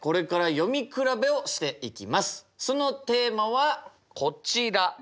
そのテーマはこちら。